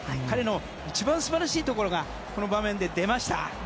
彼の一番素晴らしいところがこの場面で出ました。